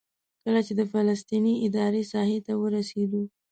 کله چې د فلسطیني ادارې ساحې ته ورسېدو.